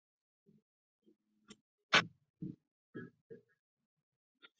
首都圈电铁其中一个终站也设在天安。